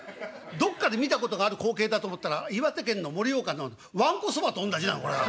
どっかで見たことがある光景だと思ったら岩手県の盛岡のわんこそばとおんなじなのこれええ。